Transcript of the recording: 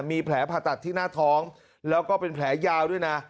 มีแผลผ่าตัดที่หน้าท้องแล้วก็เป็นแผลยาวด้วยนะ